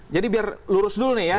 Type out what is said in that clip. jadi biar lurus dulu nih ya